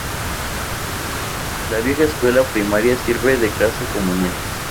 La vieja escuela primaria sirve de casa comunal.